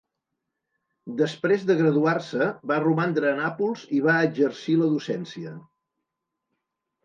Després de graduar-se, va romandre a Nàpols i va exercir la docència.